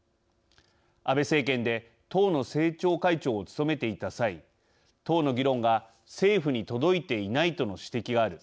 安倍政権で党の政調会長を務めていた際「党の議論が政府に届いていないとの指摘がある。